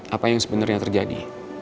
apa yang sebenernya terjadi